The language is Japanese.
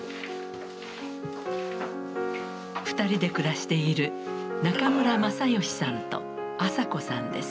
２人で暮らしている中村正義さんと朝子さんです。